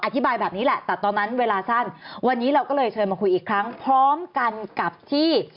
อธิบายแบบนี้แหละแต่ตอนนั้นเวลาสั้นวันนี้เราก็เลยเชิญมาคุยอีกครั้งพร้อมกันกับที่